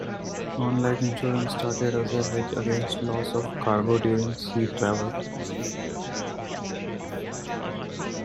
Non-life insurance started as a hedge against loss of cargo during sea travel.